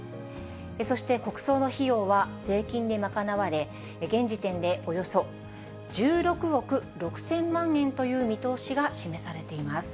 そして国葬の費用は税金で賄われ、現時点でおよそ１６億６０００万円という見通しが示されています。